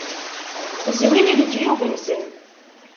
Zwin leǧyub-nnsen.